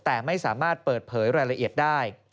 แต่ไม่สามารถเปิดเผยรายละเอียดได้